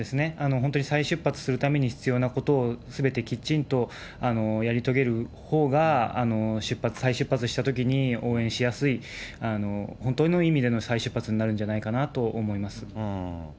本当に再出発するために必要なことをすべてきちんとやり遂げるほうが再出発したときに、応援しやすい、本当の意味での再出発になるんじゃないかなと思います。